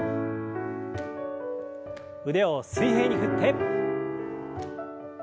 腕を水平に振って。